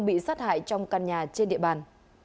bị sát hại trong căn nhà trên địa bàn